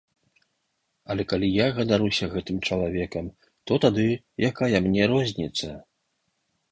Але калі я ганаруся гэтым чалавекам, то тады, якая мне розніца?